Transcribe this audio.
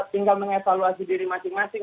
tinggal mengevaluasi diri masing masing